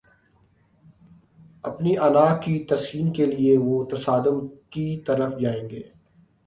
اپنی انا کی تسکین کے لیے وہ تصادم کی طرف جائیں گے۔